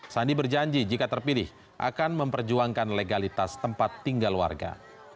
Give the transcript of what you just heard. sandi berjanji jika terpilih akan memperjuangkan legalitas tempat tinggal warga